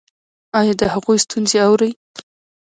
ایا د هغوی ستونزې اورئ؟